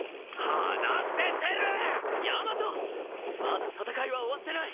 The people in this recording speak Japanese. まだ戦いは終わってない！